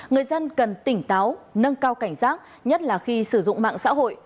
người dân cần tỉnh táo nâng cao cảnh giác nhất là khi sử dụng mạng xã hội